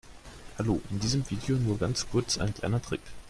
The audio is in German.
Hallo, in diesem Video nur ganz kurz ein kleiner Trick.